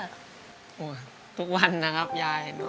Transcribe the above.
อุ๊ยทุกวันนะครับยาย